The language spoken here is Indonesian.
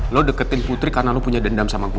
lo deketin putri karena lo punya dendam sama gue